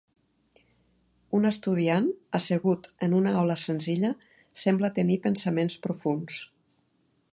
Un estudiant assegut en una aula senzilla sembla tenir pensaments profunds.